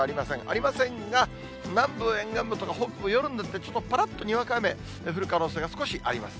ありませんが、南部沿岸部、北部、夜になってちょっとぱらっとにわか雨、降る可能性が少しあります。